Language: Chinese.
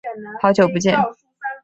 好久不见。